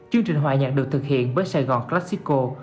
chương trình hòa nhạc được thực hiện với sài gòn classical